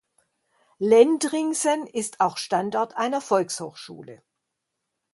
Lendringsen ist auch Standort einer Volkshochschule.